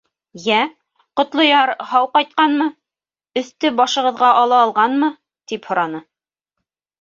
— Йә, Ҡотлояр һау ҡайтҡанмы, өҫтө-башығыҙға ала алғанмы? — тип һораны.